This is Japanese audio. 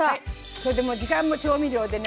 これでもう時間も調味料でね